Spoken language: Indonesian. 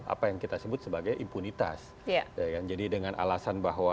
apa yang kita sebut sebagai impunitas jadi dengan alasan bahwa